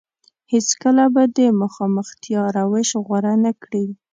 هېڅ کله به د مخامختيا روش غوره نه کړي.